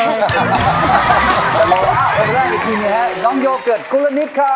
อีกทีนี้ครับน้องโยเกิร์ตคุณละนิดค่ะ